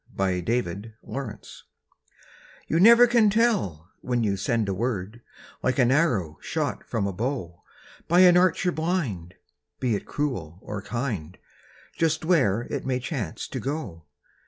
YOU NEVER CAN TELL You never can tell when you send a word, Like an arrow shot from a bow By an archer blind, be it cruel or kind, Just where it may chance to go!